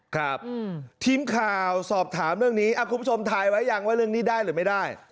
ครับทีมข่าวสอบถามเรื่องนี้คุณผู้ชมถ่ายไว้ยังว่าเรื่องนี้ได้หรือไม่ได้